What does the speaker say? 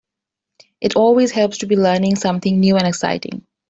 It always helps to be learning something new and exciting.